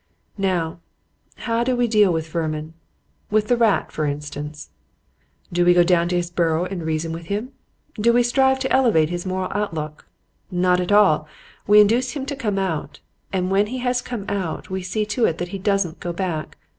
"Now, how do we deal with vermin with the rat, for instance? "Do we go down his burrow and reason with him? Do we strive to elevate his moral outlook? Not at all. We induce him to come out. And when he has come out, we see to it that he doesn't go back.